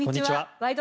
「ワイド！